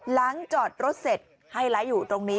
หลังจอดรถเสร็จไฮไลท์อยู่ตรงนี้